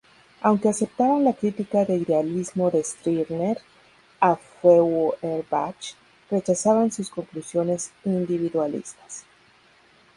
Aunque aceptaban la crítica de idealismo de Stirner a Feuerbach, rechazaban sus conclusiones individualistas.